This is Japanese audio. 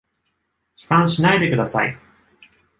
悲観しないでください!